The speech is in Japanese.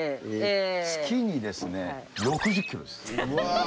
月にですね６０キロです。